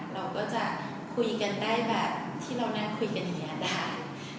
เราก็จะคุยกันได้แบบที่เรานั่งคุยกันอย่างนี้นะคะ